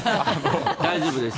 大丈夫です。